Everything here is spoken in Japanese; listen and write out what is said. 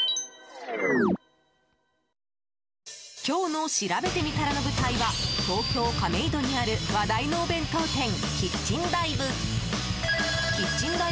今日のしらべてみたらの舞台は東京・亀戸にある話題のお弁当店キッチンＤＩＶＥ。